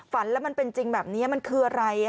แล้วมันเป็นจริงแบบนี้มันคืออะไร